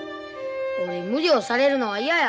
俺無理をされるのは嫌や。